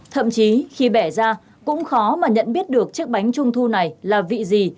thậm chí khi bẻ ra cũng khó mà nhận biết được chiếc bánh trung thu này là vị gì